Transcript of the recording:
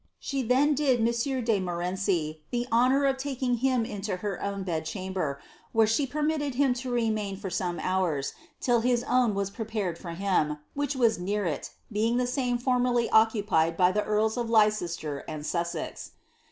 She then did M. de Montmorenci the honour of taking him into her own bed chamber, where she per mitted him to remain for some hours, till his own was prepared for him, which was near it, being the same formerly occupied by the earli ol Leicester and Sussex.'